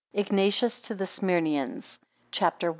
IGNATIUS TO THE SMYRNEANS. CHAPTER I.